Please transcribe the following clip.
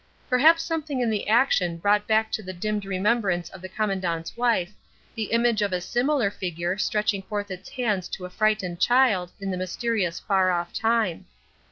Perhaps something in the action brought back to the dimmed remembrance of the Commandant's wife the image of a similar figure stretching forth its hands to a frightened child in the mysterious far off time.